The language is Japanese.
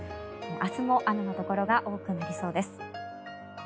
明日も雨のところが多くなりそうです。